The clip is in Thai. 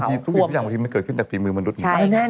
บางทีทุกอย่างมันเกิดขึ้นจากภีมือมนุษย์เหมือนกัน